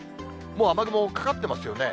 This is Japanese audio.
もう雨雲かかってますよね。